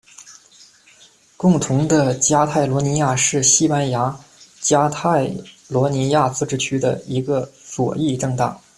共同的加泰罗尼亚是西班牙加泰罗尼亚自治区的一个左翼政党。